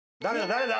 誰だ？